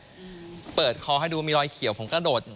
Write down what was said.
พี่สาวเขาก็เปิดคอให้ดูมีรอยเขียวผมก็ดด